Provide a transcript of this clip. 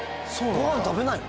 ごはん食べないの？